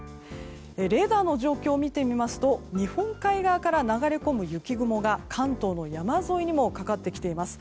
レーダーの状況を見てみますと日本海側から流れ込む雪雲が関東の山沿いにもかかってきています。